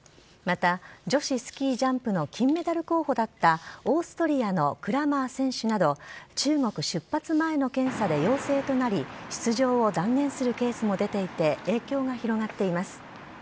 また、女子スキージャンプの金メダル候補だったオーストリアのクラマー選手など中国出発前の検査で陽性となり出場を断念するケースも出ていて影響が広がっています。